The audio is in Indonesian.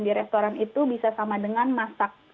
di restoran itu bisa sama dengan masak